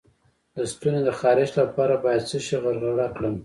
د ستوني د خارش لپاره باید څه شی غرغره کړم؟